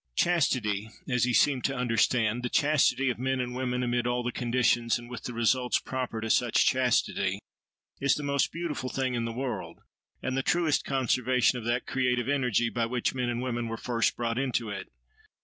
Chastity,—as he seemed to understand—the chastity of men and women, amid all the conditions, and with the results, proper to such chastity, is the most beautiful thing in the world and the truest conservation of that creative energy by which men and women were first brought into it.